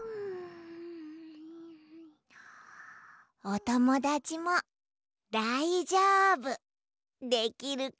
おともだちもだいじょうぶできるかな？